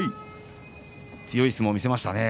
強い相撲を見せましたね